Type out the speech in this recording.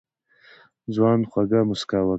ځوان خوږه موسکا وکړه.